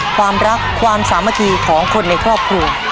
ความรักความสามัคคีของคนในครอบครัว